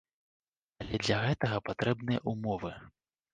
Але для гэтага патрэбныя ўмовы.